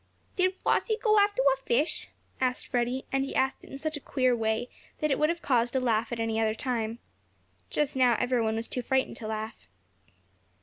"Did Flossie go after a fish?" asked Freddie, and he asked it in such a queer way that it would have caused a laugh at any other time. Just now every one was too frightened to laugh.